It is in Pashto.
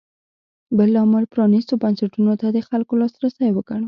بل لامل پرانېستو بنسټونو ته د خلکو لاسرسی وګڼو.